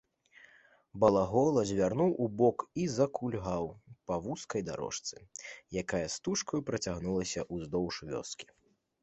Балагола звярнуў убок і закульгаў па вузкай дарожцы, якая стужкаю працягнулася ўздоўж вёскі.